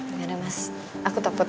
enggak ada mas aku toput